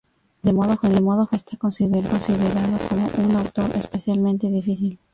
De modo general, está considerado como un autor especialmente difícil.